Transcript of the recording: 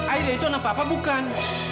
aida itu anak papa bukan